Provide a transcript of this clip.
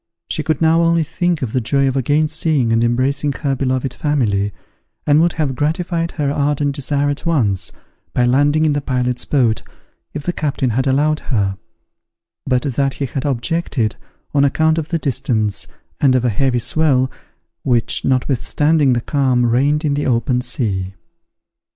She could now only think of the joy of again seeing and embracing her beloved family, and would have gratified her ardent desire at once, by landing in the pilot's boat, if the captain had allowed her: but that he had objected, on account of the distance, and of a heavy swell, which, notwithstanding the calm, reigned in the open sea.